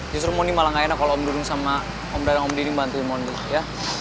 justru moni malah gak enak kalo om dudung sama om dadang om diding bantuin moni ya